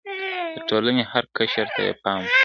د ټولنې هر قشر ته يې پام و.